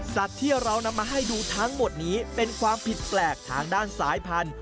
สัตว์ที่เรานำมาให้ดูทั้งหมดนี้เป็นความผิดแปลกทางด้านสายพันธุ